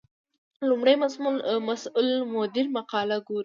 لومړی مسؤل مدیر مقاله ګوري.